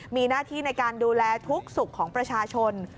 มีหน้าที่ในการดูแลทุกสุขของประชาชน